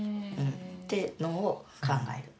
ってのを考える。